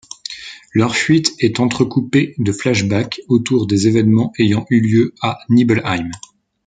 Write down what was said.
Leur fuite est entrecoupée de flash-backs autour des événements ayant eu lieu à Nibelheim.